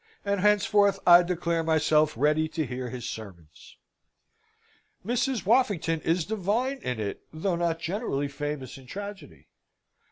"And henceforth I declare myself ready to hear his sermons." "Mrs. Woffington is divine in it, though not generally famous in tragedy.